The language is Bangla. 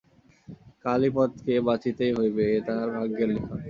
কালীপদকে বাঁচিতেই হইবে, এ তাহার ভাগ্যের লিখন।